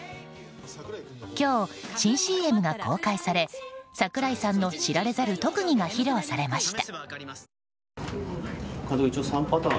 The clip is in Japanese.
今日、新ＣＭが公開され櫻井さんの知られざる特技が披露されました。